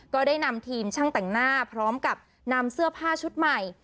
ก็ได้นำทีมช่างแต่งหน้าพร้อมกับนำเสื้อผ้าชุดใหม่